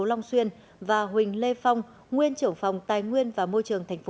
long xuyên và huỳnh lê phong nguyên trưởng phòng tài nguyên và môi trường tp